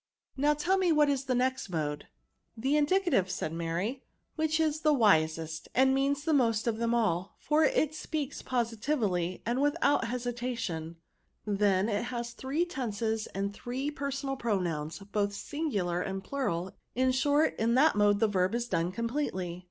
'* Now, tell me what is the next mode ?"" The indicative," said Mary, which is the wisest, and means the most of them all ; for it speaks positively, and without hesi tation ; then it has the three tenses, and the three personal pronouns, both singular and plural; in short, in that mode the verb is done completely.